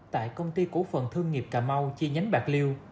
tại công ty cổ phần thương nghiệp cà mau chi nhánh bạc liêu